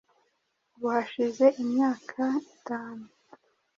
ubu hashize imyaka itanu